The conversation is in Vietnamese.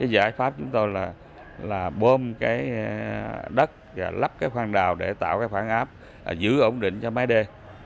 giải pháp chúng tôi là bơm đất và lắp khoang đào để tạo phản áp giữ ổn định cho máy đê